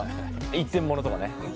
一点物とかね。